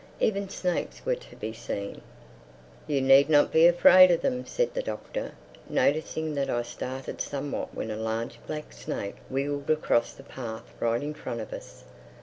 Even snakes were to be seen. "You need not be afraid of them," said the Doctor, noticing that I started somewhat when a large black snake wiggled across the path right in front of us.